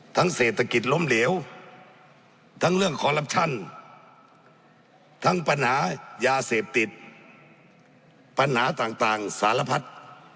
ทั้งเศรษฐกิจล้มเหลวทั้งเรื่องทั้งปัญหายาเสพติดปัญหาต่างสารพัฒน์